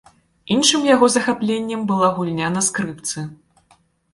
Іншым яго захапленнем была гульня на скрыпцы.